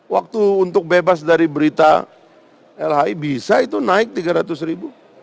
waktu untuk bebas dari berita lhi bisa itu naik tiga ratus ribu